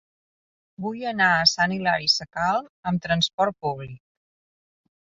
Vull anar a Sant Hilari Sacalm amb trasport públic.